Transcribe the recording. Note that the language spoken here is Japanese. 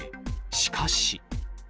しかし。